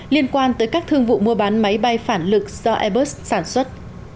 liên quan tới các thương vụ mua bán máy bay phản lực do airbus sản xuất